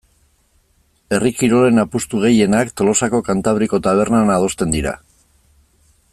Herri kirolen apustu gehienak Tolosako Kantabriko tabernan adosten dira.